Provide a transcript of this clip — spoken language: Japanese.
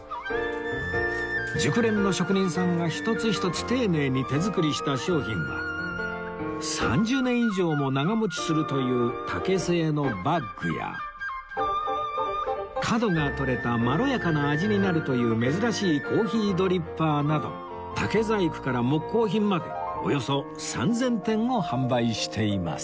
熟練の職人さんが一つ一つ丁寧に手作りした商品は３０年以上も長持ちするという竹製のバッグや角が取れたまろやかな味になるという珍しいコーヒードリッパーなど竹細工から木工品までおよそ３０００点を販売しています